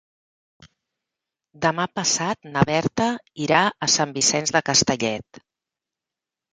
Demà passat na Berta irà a Sant Vicenç de Castellet.